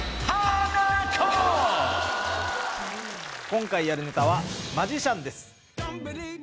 今回やるネタは「マジシャン」です